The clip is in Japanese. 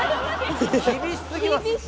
厳しすぎますって！